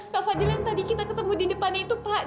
pak fadil yang tadi kita ketemu di depan itu pak